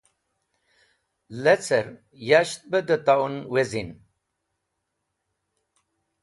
Lecẽr, yasht bẽ dẽ ton wezin.